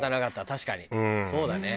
確かにそうだね。